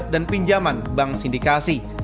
dan pinjaman bank sindikasi